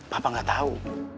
papa nggak tahu